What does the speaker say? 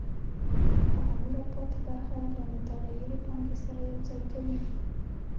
هغه نوره پاتې برخه له متغیرې پانګې سره یوځای کوي